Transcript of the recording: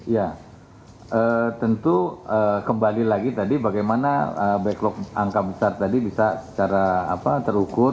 ya tentu kembali lagi tadi bagaimana backlog angka besar tadi bisa secara terukur